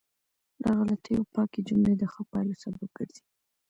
له غلطیو پاکې جملې د ښه پایلو سبب ګرځي.